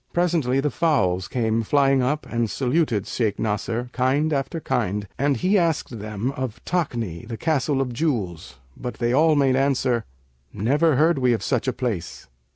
Presently, the fowls came flying up and saluted Shaykh Nasr, kind after kind, and he asked them of Takni, the Castle of Jewels, but they all made answer, 'Never heard we of such a place.'